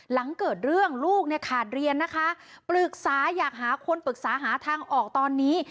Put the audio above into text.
หลังเกิดเรื่องลูกเนี่ยขาดเรียนนะคะปรึกษาอยากหาคนปรึกษาหาทางออกตอนนี้